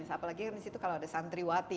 apalagi kalau di situ ada santriwati